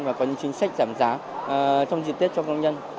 và có những chính sách giảm giá trong dịp tết cho công nhân